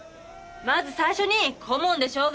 まず最初に顧問でしょうが。